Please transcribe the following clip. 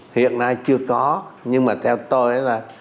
hiện nay chưa có nhưng mà theo tôi là